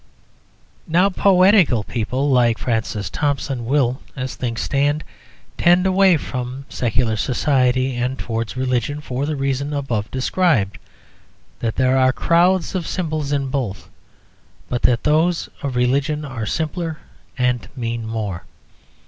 Now, poetical people like Francis Thompson will, as things stand, tend away from secular society and towards religion for the reason above described: that there are crowds of symbols in both, but that those of religion are simpler and mean more.